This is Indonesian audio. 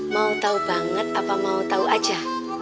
mau tau banget apa mau tau aja